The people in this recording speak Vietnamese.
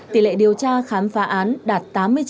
tỷ lệ điều tra khám phá án đạt tám mươi chín